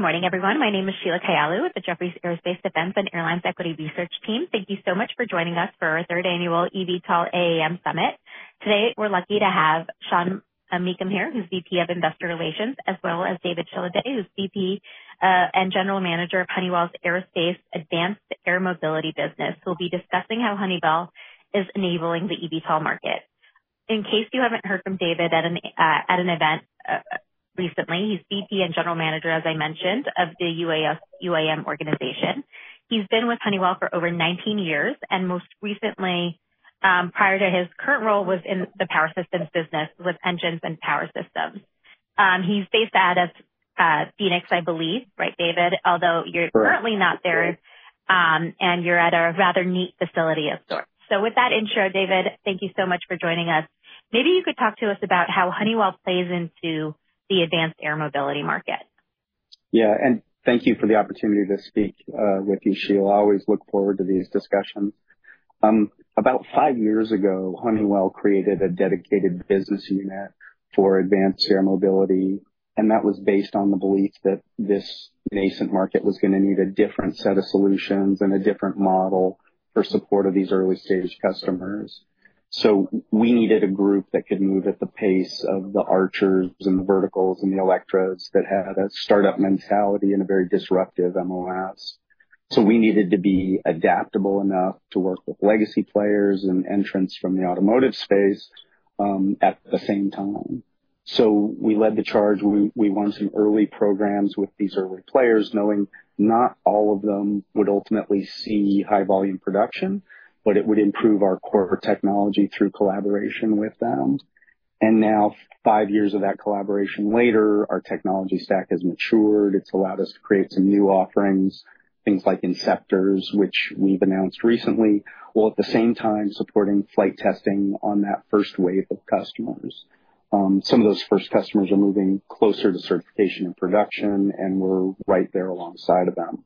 Good morning, everyone. My name is Sheila Kayalu with the Jefferies Aerospace Defense and Airlines Equity Research team. Thank you so much for joining us for our Third Annual eVTOL AAM Summit. Today, we're lucky to have Sean Meakim here, who's VP of Investor Relations, as well as David Shilliday, who's VP and General Manager of Honeywell's Aerospace Advanced Air Mobility business, who will be discussing how Honeywell is enabling the eVTOL market. In case you haven't heard from David at an event recently, he's VP and General Manager, as I mentioned, of the UAM organization. He's been with Honeywell for over 19 years, and most recently, prior to his current role, was in the power systems business with engines and power systems. He's based out of Phoenix, I believe, right, David? Although you're currently not there, and you're at a rather neat facility of sorts. With that intro, David, thank you so much for joining us. Maybe you could talk to us about how Honeywell plays into the advanced air mobility market. Yeah, and thank you for the opportunity to speak with you, Sheila. I always look forward to these discussions. About five years ago, Honeywell created a dedicated business unit for advanced air mobility, and that was based on the belief that this nascent market was going to need a different set of solutions and a different model for support of these early-stage customers. We needed a group that could move at the pace of the Archers and the Verticals and the Electras that had a startup mentality and a very disruptive MOS. We needed to be adaptable enough to work with legacy players and entrants from the automotive space at the same time. We led the charge. We won some early programs with these early players, knowing not all of them would ultimately see high-volume production, but it would improve our core technology through collaboration with them. Now, five years of that collaboration later, our technology stack has matured. It's allowed us to create some new offerings, things like Inceptors, which we've announced recently, while at the same time supporting flight testing on that first wave of customers. Some of those first customers are moving closer to certification and production, and we're right there alongside of them.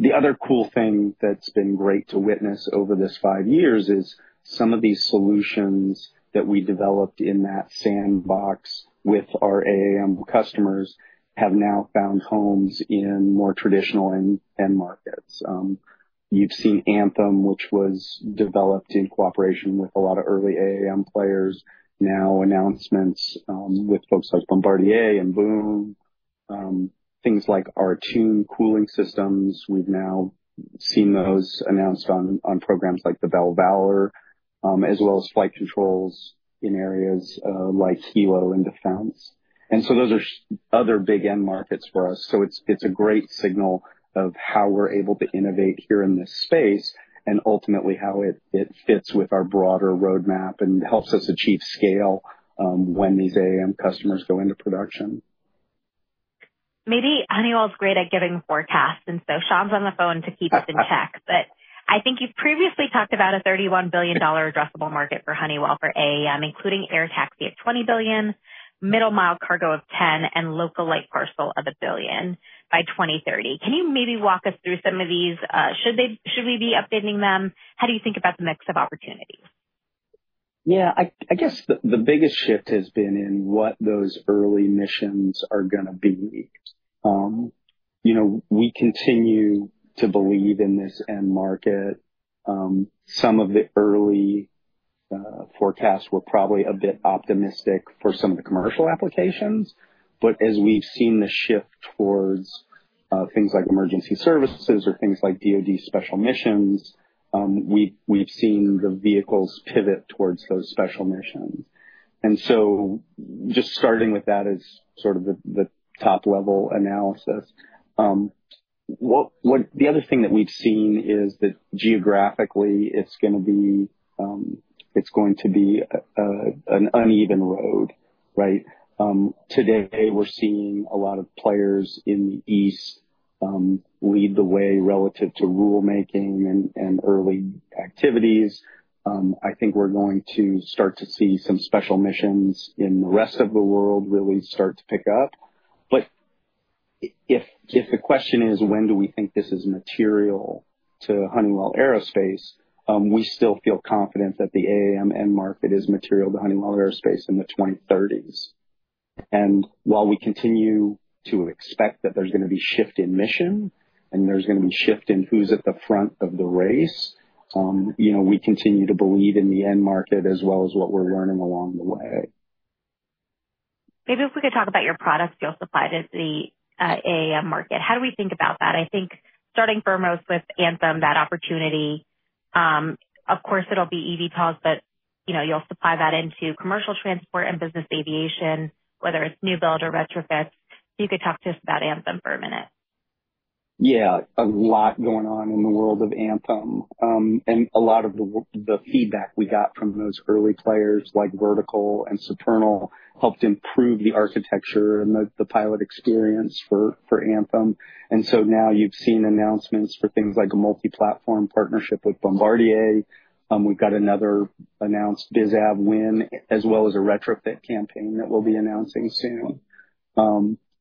The other cool thing that's been great to witness over this five years is some of these solutions that we developed in that sandbox with our AAM customers have now found homes in more traditional end markets. You've seen Anthem, which was developed in cooperation with a lot of early AAM players. Now, announcements with folks like Bombardier and Boom, things like our tuned cooling systems. We've now seen those announced on programs like the Bell Valor, as well as flight controls in areas like Hilo and Defense. Those are other big end markets for us. It is a great signal of how we are able to innovate here in this space and ultimately how it fits with our broader roadmap and helps us achieve scale when these AAM customers go into production. Maybe Honeywell is great at giving forecasts, and so Sean's on the phone to keep us in check. I think you've previously talked about a $31 billion addressable market for Honeywell for AAM, including air taxi at $20 billion, middle-mile cargo of $10 billion, and local light parcel of $1 billion by 2030. Can you maybe walk us through some of these? Should we be updating them? How do you think about the mix of opportunities? Yeah, I guess the biggest shift has been in what those early missions are going to be. We continue to believe in this end market. Some of the early forecasts were probably a bit optimistic for some of the commercial applications, but as we've seen the shift towards things like emergency services or things like DOD special missions, we've seen the vehicles pivot towards those special missions. Just starting with that as sort of the top-level analysis, the other thing that we've seen is that geographically it's going to be an uneven road, right? Today, we're seeing a lot of players in the East lead the way relative to rulemaking and early activities. I think we're going to start to see some special missions in the rest of the world really start to pick up. If the question is, when do we think this is material to Honeywell Aerospace, we still feel confident that the AAM end market is material to Honeywell Aerospace in the 2030s. While we continue to expect that there's going to be a shift in mission and there's going to be a shift in who's at the front of the race, we continue to believe in the end market as well as what we're learning along the way. Maybe if we could talk about your products you'll supply to the AAM market, how do we think about that? I think starting first with Anthem, that opportunity, of course, it'll be eVTOLs, but you'll supply that into commercial transport and business aviation, whether it's new build or retrofits. You could talk to us about Anthem for a minute. Yeah, a lot going on in the world of Anthem. A lot of the feedback we got from those early players like Vertical and Supernal helped improve the architecture and the pilot experience for Anthem. Now you've seen announcements for things like a multi-platform partnership with Bombardier. We've got another announced BizAv win, as well as a retrofit campaign that we'll be announcing soon.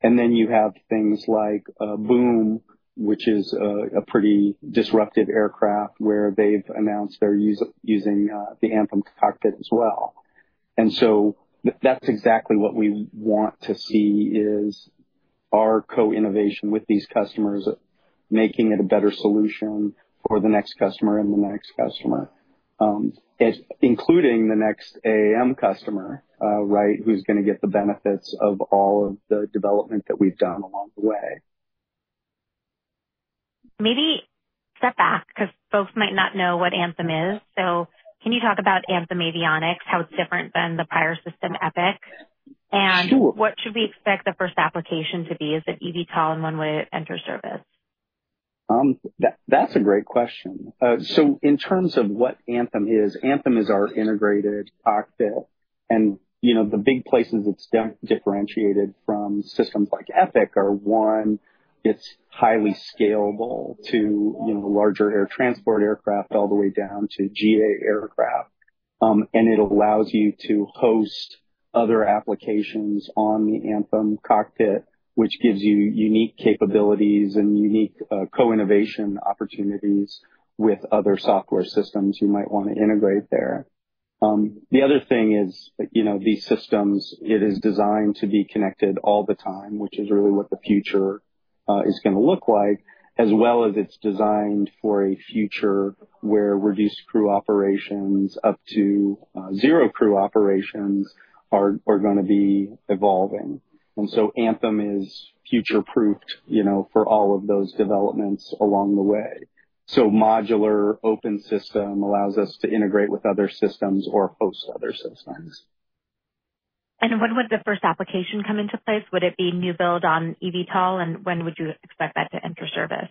You have things like Boom, which is a pretty disruptive aircraft where they've announced they're using the Anthem cockpit as well. That's exactly what we want to see is our co-innovation with these customers, making it a better solution for the next customer and the next customer, including the next AAM customer, right, who's going to get the benefits of all of the development that we've done along the way. Maybe step back, because folks might not know what Anthem is. Can you talk about Anthem Avionics, how it's different than the prior system, Epic? What should we expect the first application to be? Is it eVTOL and when would it enter service? That's a great question. In terms of what Anthem is, Anthem is our integrated cockpit. The big places it's differentiated from systems like Epic are, one, it's highly scalable to larger air transport aircraft all the way down to GA aircraft. It allows you to host other applications on the Anthem cockpit, which gives you unique capabilities and unique co-innovation opportunities with other software systems you might want to integrate there. The other thing is these systems, it is designed to be connected all the time, which is really what the future is going to look like, as well as it's designed for a future where reduced crew operations up to zero crew operations are going to be evolving. Anthem is future-proofed for all of those developments along the way. Modular open system allows us to integrate with other systems or host other systems. When would the first application come into place? Would it be new build on eVTOL, and when would you expect that to enter service?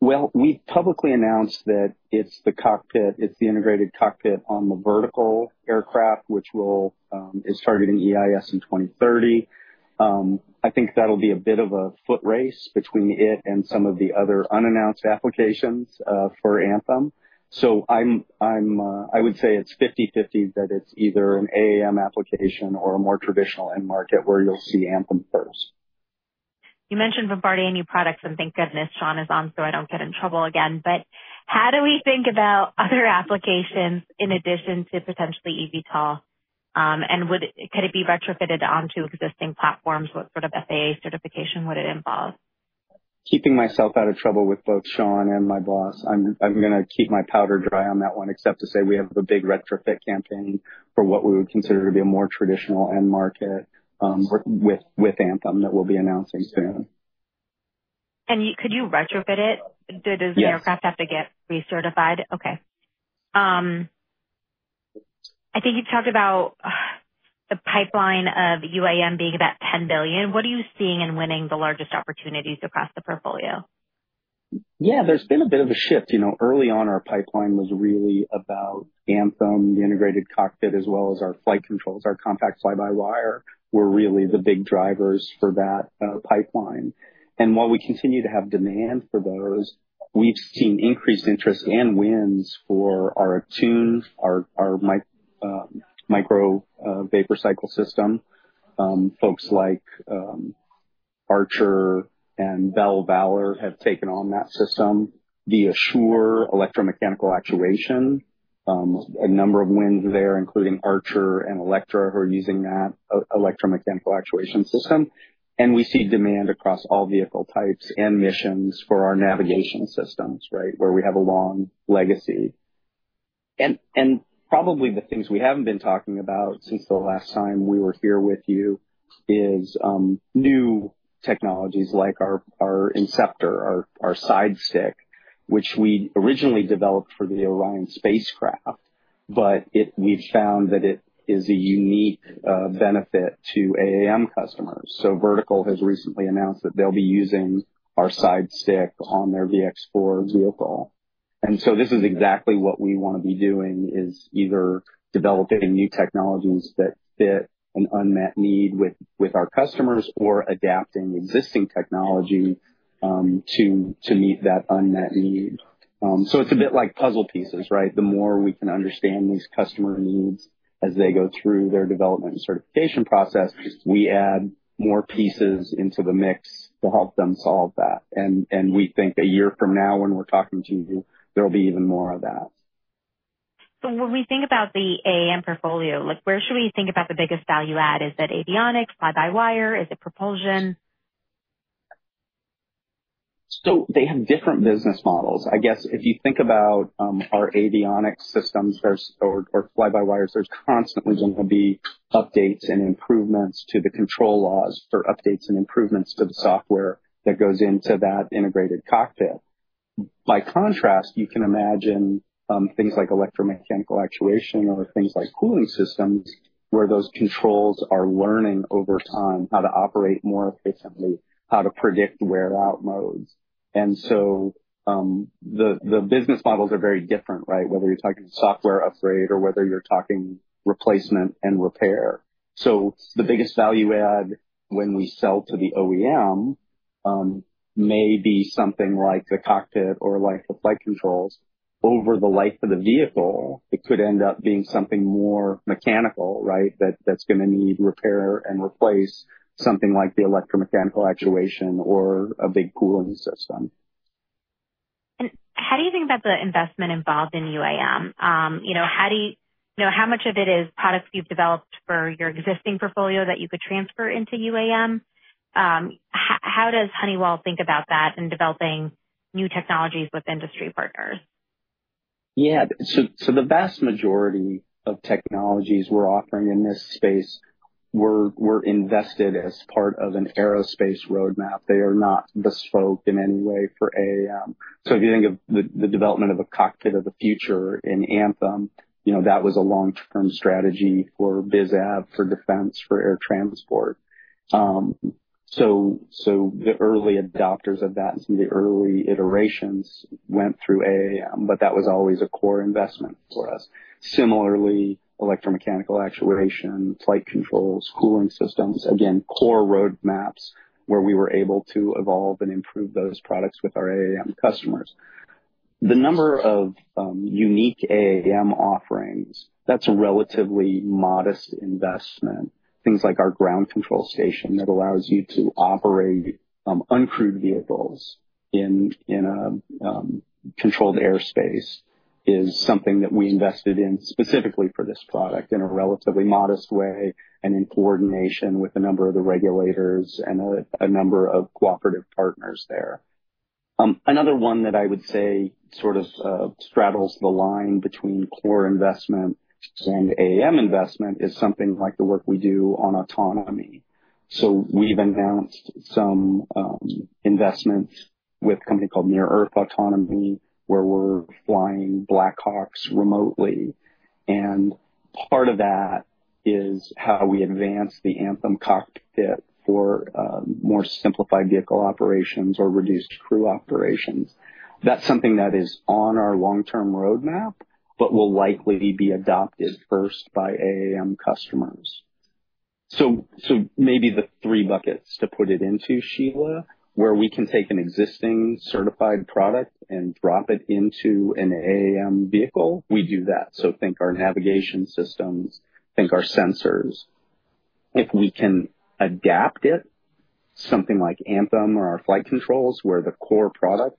We've publicly announced that it's the cockpit, it's the integrated cockpit on the Vertical aircraft, which is targeting EIS in 2030. I think that'll be a bit of a foot race between it and some of the other unannounced applications for Anthem. I would say it's 50/50 that it's either an AAM application or a more traditional end market where you'll see Anthem first. You mentioned Bombardier and new products, and thank goodness Sean is on so I don't get in trouble again. How do we think about other applications in addition to potentially eVTOL? Could it be retrofitted onto existing platforms? What sort of FAA certification would it involve? Keeping myself out of trouble with both Sean and my boss, I'm going to keep my powder dry on that one, except to say we have a big retrofit campaign for what we would consider to be a more traditional end market with Anthem that we'll be announcing soon. Could you retrofit it? [Yes.] Does the aircraft have to get recertified? Okay. I think you talked about the pipeline of UAM being about $10 billion. What are you seeing in winning the largest opportunities across the portfolio? Yeah, there's been a bit of a shift. Early on, our pipeline was really about Anthem, the integrated cockpit, as well as our flight controls, our compact fly-by-wire were really the big drivers for that pipeline. While we continue to have demand for those, we've seen increased interest and wins for our tunes, our Micro Vapor Cycle System. Folks like Archer and Bell Valor have taken on that system. The ASUR electromechanical actuation, a number of wins there, including Archer and Electra, who are using that electromechanical actuation system. We see demand across all vehicle types and missions for our navigation systems, right, where we have a long legacy. Probably the things we have not been talking about since the last time we were here with you is new technologies like our Inceptor, our side stick, which we originally developed for the Orion spacecraft, but we have found that it is a unique benefit to AAM customers. Vertical has recently announced that they will be using our side stick on their VX4 vehicle. This is exactly what we want to be doing, either developing new technologies that fit an unmet need with our customers or adapting existing technology to meet that unmet need. It is a bit like puzzle pieces, right? The more we can understand these customer needs as they go through their development and certification process, we add more pieces into the mix to help them solve that. We think a year from now when we're talking to you, there'll be even more of that. When we think about the AAM portfolio, where should we think about the biggest value add? Is it avionics, fly-by-wire? Is it propulsion? They have different business models. I guess if you think about our avionics systems or fly-by-wires, there's constantly going to be updates and improvements to the control laws for updates and improvements to the software that goes into that integrated cockpit. By contrast, you can imagine things like electromechanical actuation or things like cooling systems where those controls are learning over time how to operate more efficiently, how to predict wear-out modes. The business models are very different, right? Whether you're talking software upgrade or whether you're talking replacement and repair. The biggest value add when we sell to the OEM may be something like the cockpit or like the flight controls over the life of the vehicle. It could end up being something more mechanical, right, that's going to need repair and replace something like the electromechanical actuation or a big cooling system. How do you think about the investment involved in UAM? How much of it is products you've developed for your existing portfolio that you could transfer into UAM? How does Honeywell think about that in developing new technologies with industry partners? Yeah, so the vast majority of technologies we're offering in this space were invested as part of an aerospace roadmap. They are not bespoke in any way for AAM. If you think of the development of a cockpit of the future in Anthem, that was a long-term strategy for BizAv, for Defense, for air transport. The early adopters of that and some of the early iterations went through AAM, but that was always a core investment for us. Similarly, electromechanical actuation, flight controls, cooling systems, again, core roadmaps where we were able to evolve and improve those products with our AAM customers. The number of unique AAM offerings, that's a relatively modest investment. Things like our Ground Control Station that allows you to operate uncrewed vehicles in a controlled airspace is something that we invested in specifically for this product in a relatively modest way and in coordination with a number of the regulators and a number of cooperative partners there. Another one that I would say sort of straddles the line between core investment and AAM investment is something like the work we do on autonomy. We have announced some investments with a company called Near Earth Autonomy where we are flying Blackhawks remotely. Part of that is how we advance the Anthem cockpit for more simplified vehicle operations or reduced crew operations. That is something that is on our long-term roadmap, but will likely be adopted first by AAM customers. Maybe the three buckets to put it into, Sheila, where we can take an existing certified product and drop it into an AAM vehicle, we do that. Think our navigation systems, think our sensors, if we can adapt it, something like Anthem or our flight controls where the core product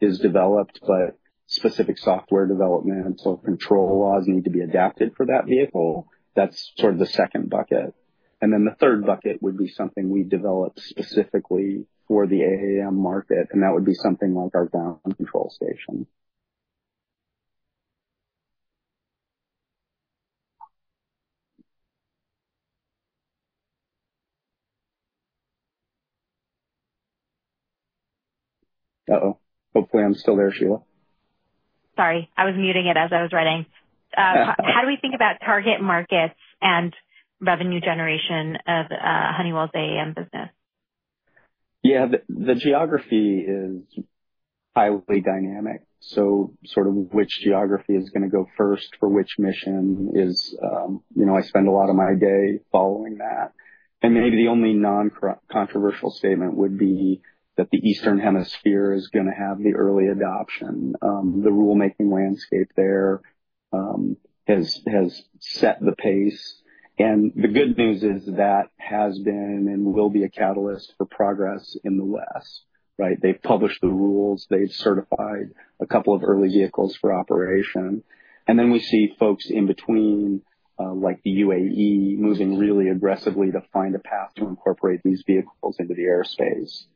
is developed, but specific software development or control laws need to be adapted for that vehicle, that's sort of the second bucket. The third bucket would be something we developed specifically for the AAM market, and that would be something like our ground control station. Uh-oh. Hopefully I'm still there, Sheila. Sorry, I was muting it as I was writing. How do we think about target markets and revenue generation of Honeywell's AAM business? Yeah, the geography is highly dynamic. Sort of which geography is going to go first for which mission is I spend a lot of my day following that. Maybe the only non-controversial statement would be that the Eastern Hemisphere is going to have the early adoption. The rulemaking landscape there has set the pace. The good news is that has been and will be a catalyst for progress in the West, right? They've published the rules. They've certified a couple of early vehicles for operation. We see folks in between, like the United Arab Emirates, moving really aggressively to find a path to incorporate these vehicles into the airspace.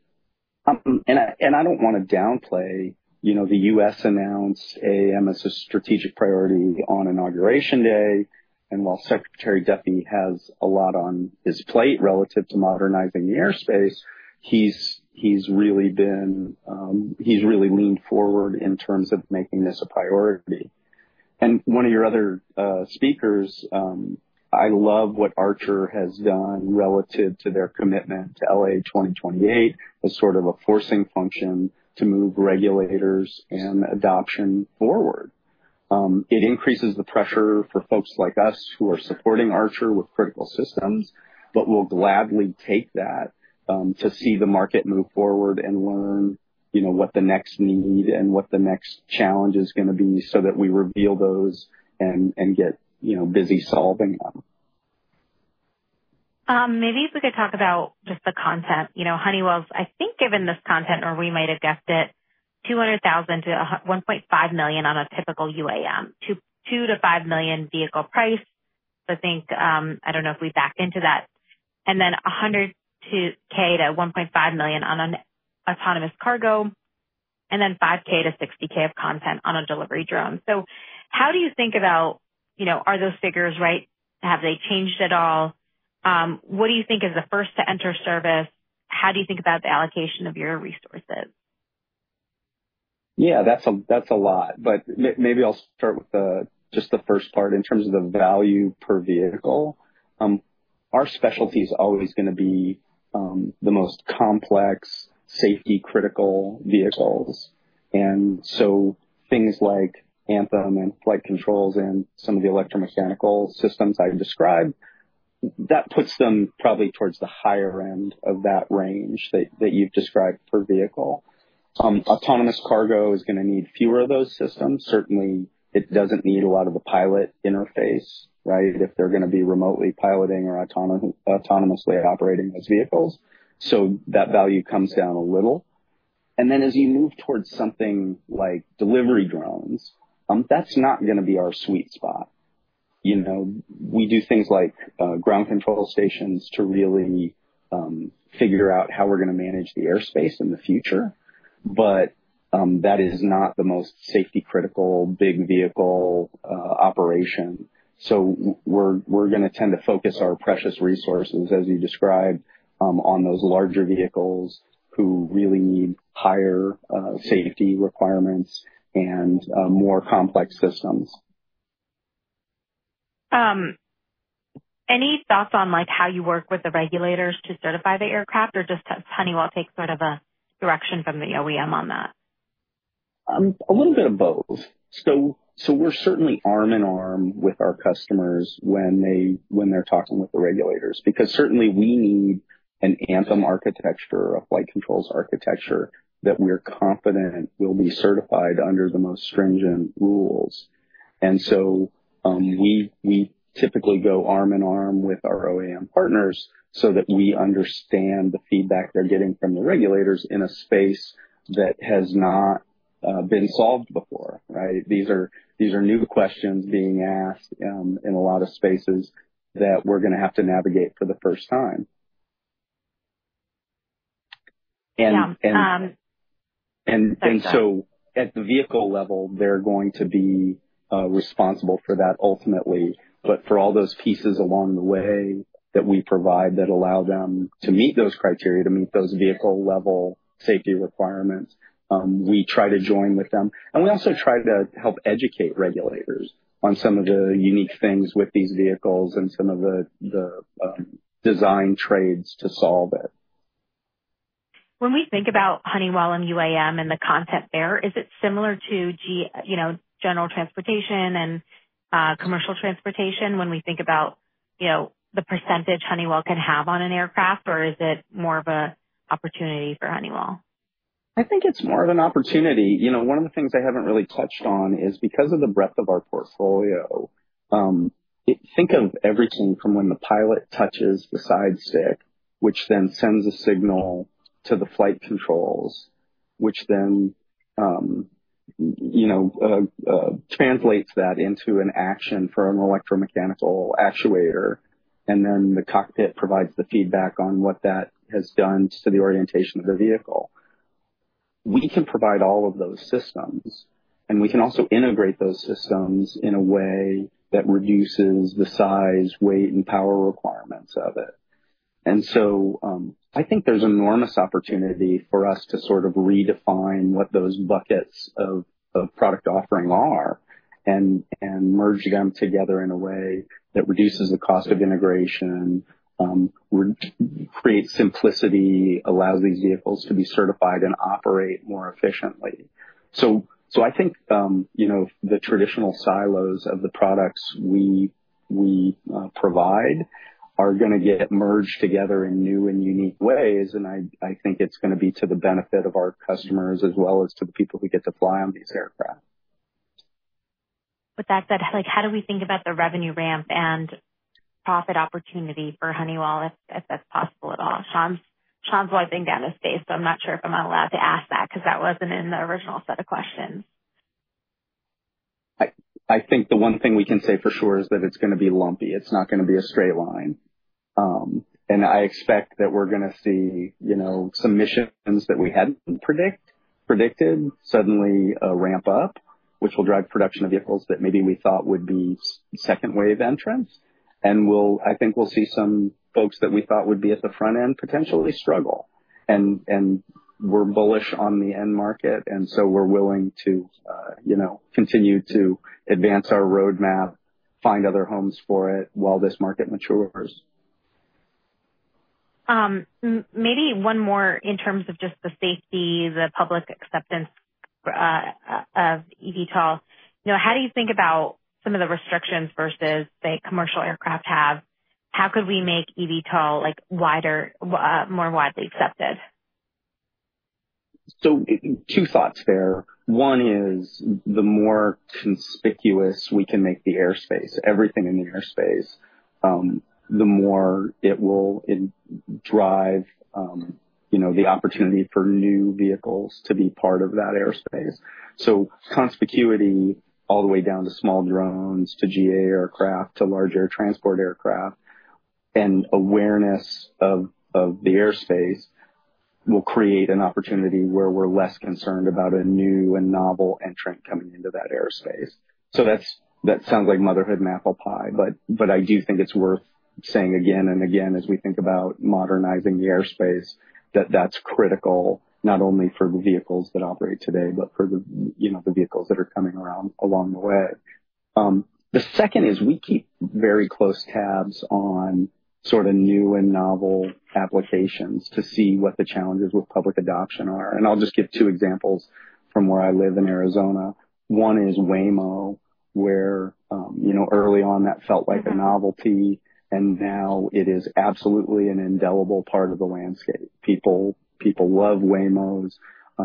I don't want to downplay. The United States announced AAM as a strategic priority on inauguration day. While Secretary Duffy has a lot on his plate relative to modernizing the airspace, he's really leaned forward in terms of making this a priority. One of your other speakers, I love what Archer has done relative to their commitment to LA 2028 as sort of a forcing function to move regulators and adoption forward. It increases the pressure for folks like us who are supporting Archer with critical systems, but we'll gladly take that to see the market move forward and learn what the next need and what the next challenge is going to be so that we reveal those and get busy solving them. Maybe if we could talk about just the content. Honeywell's, I think given this content, or we might have guessed it, $200,000-$1.5 million on a typical UAM, $2 million-$5 million vehicle price. I think, I don't know if we backed into that. And then $100,000-$1.5 million on an autonomous cargo, and then $5,000-$60,000 of content on a delivery drone. How do you think about, are those figures right? Have they changed at all? What do you think is the first to enter service? How do you think about the allocation of your resources? Yeah, that's a lot. Maybe I'll start with just the first part in terms of the value per vehicle. Our specialty is always going to be the most complex, safety-critical vehicles. Things like Anthem and flight controls and some of the electromechanical systems I described, that puts them probably towards the higher end of that range that you've described per vehicle. Autonomous cargo is going to need fewer of those systems. Certainly, it doesn't need a lot of the pilot interface, right, if they're going to be remotely piloting or autonomously operating those vehicles. That value comes down a little. As you move towards something like delivery drones, that's not going to be our sweet spot. We do things like ground control stations to really figure out how we're going to manage the airspace in the future, but that is not the most safety-critical, big vehicle operation. We are going to tend to focus our precious resources, as you described, on those larger vehicles who really need higher safety requirements and more complex systems. Any thoughts on how you work with the regulators to certify the aircraft or does Honeywell take sort of a direction from the OEM on that? A little bit of both. We're certainly arm in arm with our customers when they're talking with the regulators because certainly we need an Anthem architecture, a flight controls architecture that we're confident will be certified under the most stringent rules. We typically go arm in arm with our OEM partners so that we understand the feedback they're getting from the regulators in a space that has not been solved before, right? These are new questions being asked in a lot of spaces that we're going to have to navigate for the first time. At the vehicle level, they're going to be responsible for that ultimately. For all those pieces along the way that we provide that allow them to meet those criteria, to meet those vehicle-level safety requirements, we try to join with them. We also try to help educate regulators on some of the unique things with these vehicles and some of the design trades to solve it. When we think about Honeywell and UAM and the content there, is it similar to general transportation and commercial transportation when we think about the percentage Honeywell can have on an aircraft, or is it more of an opportunity for Honeywell? I think it's more of an opportunity. One of the things I haven't really touched on is because of the breadth of our portfolio, think of everything from when the pilot touches the side stick, which then sends a signal to the flight controls, which then translates that into an action for an electromechanical actuator, and then the cockpit provides the feedback on what that has done to the orientation of the vehicle. We can provide all of those systems, and we can also integrate those systems in a way that reduces the size, weight, and power requirements of it. I think there's enormous opportunity for us to sort of redefine what those buckets of product offering are and merge them together in a way that reduces the cost of integration, creates simplicity, allows these vehicles to be certified and operate more efficiently. I think the traditional silos of the products we provide are going to get merged together in new and unique ways, and I think it's going to be to the benefit of our customers as well as to the people who get to fly on these aircraft. With that said, how do we think about the revenue ramp and profit opportunity for Honeywell, if that's possible at all? Sean's wiping down his face, so I'm not sure if I'm allowed to ask that because that wasn't in the original set of questions. I think the one thing we can say for sure is that it's going to be lumpy. It's not going to be a straight line. I expect that we're going to see some missions that we hadn't predicted suddenly ramp up, which will drive production of vehicles that maybe we thought would be second wave entrants. I think we'll see some folks that we thought would be at the front end potentially struggle. We're bullish on the end market, and so we're willing to continue to advance our roadmap, find other homes for it while this market matures. Maybe one more in terms of just the safety, the public acceptance of eVTOL. How do you think about some of the restrictions versus, say, commercial aircraft have? How could we make eVTOL more widely accepted? Two thoughts there. One is the more conspicuous we can make the airspace, everything in the airspace, the more it will drive the opportunity for new vehicles to be part of that airspace. Conspicuity all the way down to small drones, to GA aircraft, to large air transport aircraft, and awareness of the airspace will create an opportunity where we're less concerned about a new and novel entrant coming into that airspace. That sounds like motherhood maple pie, but I do think it's worth saying again and again as we think about modernizing the airspace that that's critical not only for the vehicles that operate today, but for the vehicles that are coming along the way. The second is we keep very close tabs on sort of new and novel applications to see what the challenges with public adoption are. I'll just give two examples from where I live in Arizona. One is Waymo, where early on that felt like a novelty, and now it is absolutely an indelible part of the landscape. People love Waymos.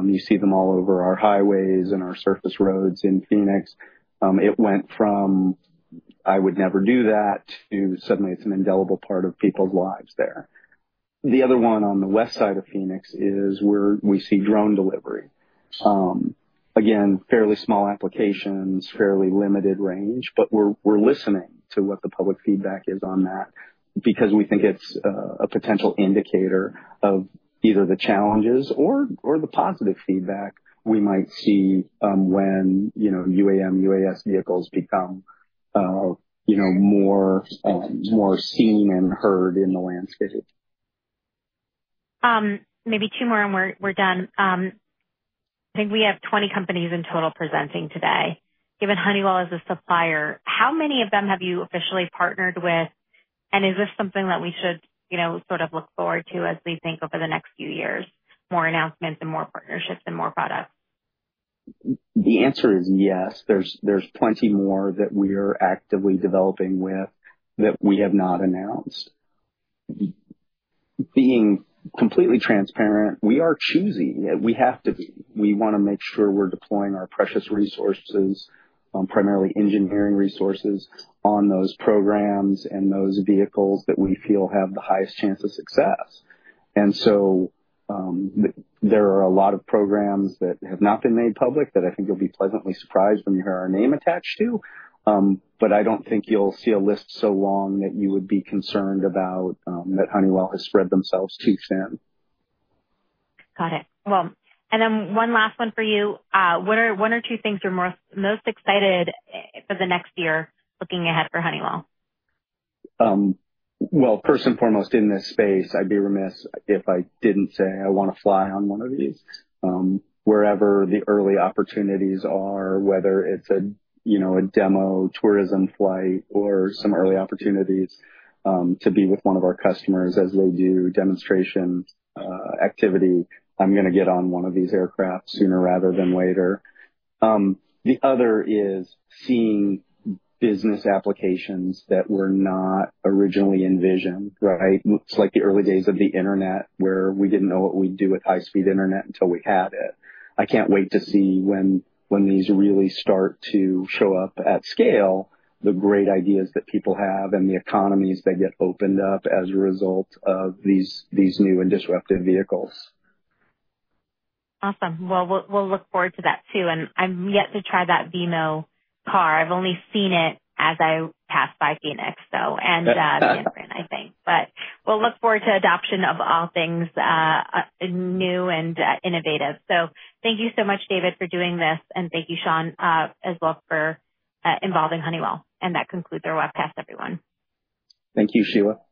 You see them all over our highways and our surface roads in Phoenix. It went from, "I would never do that," to suddenly it's an indelible part of people's lives there. The other one on the west side of Phoenix is where we see drone delivery. Again, fairly small applications, fairly limited range, but we're listening to what the public feedback is on that because we think it's a potential indicator of either the challenges or the positive feedback we might see when UAM, UAS vehicles become more seen and heard in the landscape. Maybe two more and we're done. I think we have 20 companies in total presenting today. Given Honeywell as a supplier, how many of them have you officially partnered with, and is this something that we should sort of look forward to as we think over the next few years, more announcements and more partnerships and more products? The answer is yes. There's plenty more that we're actively developing with that we have not announced. Being completely transparent, we are choosy. We have to be. We want to make sure we're deploying our precious resources, primarily engineering resources, on those programs and those vehicles that we feel have the highest chance of success. There are a lot of programs that have not been made public that I think you'll be pleasantly surprised when you hear our name attached to, but I don't think you'll see a list so long that you would be concerned that Honeywell has spread themselves too thin. Got it. And then one last one for you. What are one or two things you're most excited for the next year looking ahead for Honeywell? First and foremost, in this space, I'd be remiss if I didn't say I want to fly on one of these. Wherever the early opportunities are, whether it's a demo tourism flight or some early opportunities to be with one of our customers as they do demonstration activity, I'm going to get on one of these aircraft sooner rather than later. The other is seeing business applications that were not originally envisioned, right? It's like the early days of the internet where we didn't know what we'd do with high-speed internet until we had it. I can't wait to see when these really start to show up at scale, the great ideas that people have and the economies that get opened up as a result of these new and disruptive vehicles. Awesome. We will look forward to that too. I am yet to try that Waymo car. I have only seen it as I passed by Phoenix, though, and the end ramp, I think. We will look forward to adoption of all things new and innovative. Thank you so much, David, for doing this, and thank you, Sean, as well for involving Honeywell. That concludes our webcast, everyone. Thank you, Sheila.